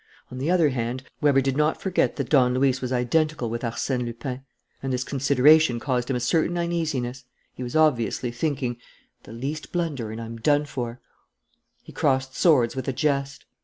On the other hand, Weber did not forget that Don Luis was identical with Arsène Lupin; and this consideration caused him a certain uneasiness. He was obviously thinking: "The least blunder, and I'm done for." He crossed swords with a jest.